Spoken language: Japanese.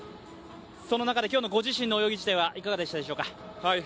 その中で今日のご自身の泳ぎ自体はいかがでしたでしょうか？